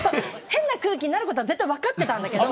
変な空気になることは絶対、分かっていたんだけど。